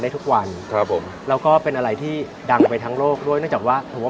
ได้ทุกวันครับผมแล้วก็เป็นอะไรที่ดังไปทั้งโลกด้วยนอกจากว่า